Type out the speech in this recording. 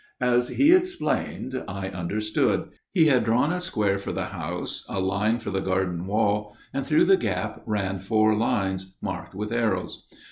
As he explained I understood. He had drawn a square for the house, a line for the garden wall, and through the gap ran four lines, marked with arrows.